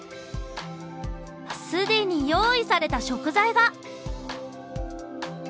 すでに用意された食材が！